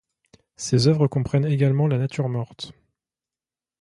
Ses œuvres comprennent également la nature morte.